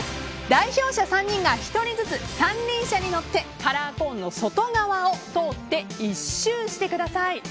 代表者３人が１人ずつ三輪車に乗ってカラーコーンの外側を通って１周してください。